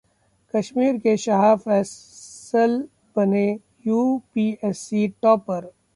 कश्मीर के शाह फैसल बने UPSC topper